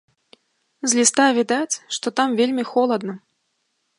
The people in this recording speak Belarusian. З ліста відаць, што там вельмі холадна.